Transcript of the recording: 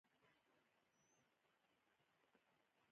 آیا د کوډ کب نیول ډیر مشهور نه و؟